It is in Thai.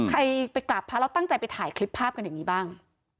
ไปกราบพระแล้วตั้งใจไปถ่ายคลิปภาพกันอย่างนี้บ้าง